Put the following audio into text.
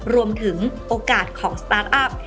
รวมถึงโอกาสของสตาร์ทอัพ